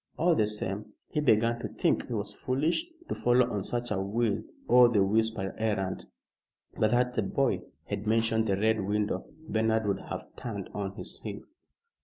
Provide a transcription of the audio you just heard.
All the same, he began to think he was foolish to follow on such a will o' the wisp errand. But that the boy had mentioned the Red Window, Bernard would have turned on his heel.